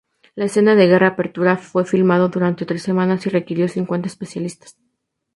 La escena de guerra apertura fue filmado durante tres semanas y requirió cincuenta especialistas.